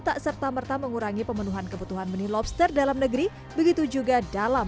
tak serta merta mengurangi pemenuhan kebutuhan benih lobster dalam negeri begitu juga dalam